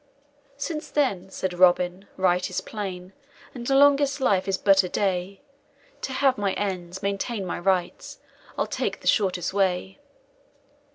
"Since then," said Robin, "right is plain, And longest life is but a day, To have my ends, maintain my rights, I'll take the shortest way."